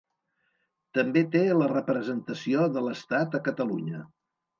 També té la representació de l'Estat a Catalunya.